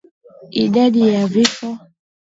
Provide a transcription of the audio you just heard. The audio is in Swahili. Idadi ya Vifo